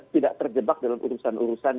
tidak terjebak dalam urusan urusan